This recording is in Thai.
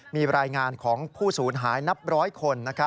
มีรายงานของผู้สูญหายนับร้อยคน